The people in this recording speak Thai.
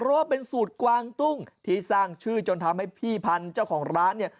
เพราะว่าเป็นสูตรกวางตุ้งที่สร้างชื่อจนทำให้พี่พันธุ์เจ้าของร้านเนี่ย